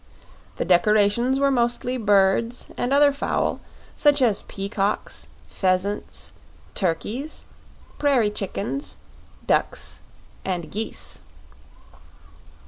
The decorations were mostly birds and other fowl, such as peacocks, pheasants, turkeys, prairie chickens, ducks, and geese.